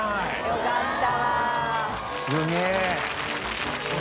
よかった！